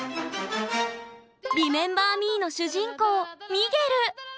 「リメンバー・ミー」の主人公ミゲル！